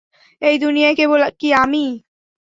এই দুনিয়ায় কেবল কী আমিই?